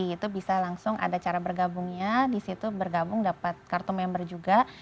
itu bisa langsung ada cara bergabungnya di situ bergabung dapat kartu member juga